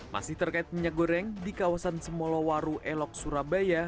masih terkait minyak goreng di kawasan semolowaru elok surabaya